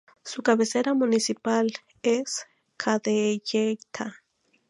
Su cabecera municipal es Cadereyta.